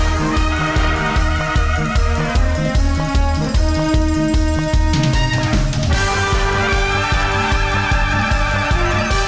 ขอบคุณค่ะขอบคุณค่ะผม